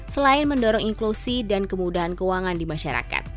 selain mendorong inklusi dan kemudahan keuangan di masyarakat